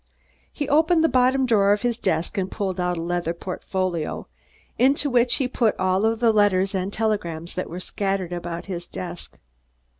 He opened the bottom drawer of his desk and pulled out a leather portfolio, into which he put all the letters and telegrams that were scattered about his desk.